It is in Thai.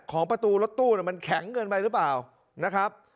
ประตูรถตู้มันแข็งเกินไปหรือเปล่านะครับ